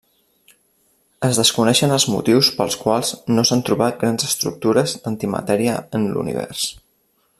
Es desconeixen els motius pels quals no s'han trobat grans estructures d'antimatèria en l'univers.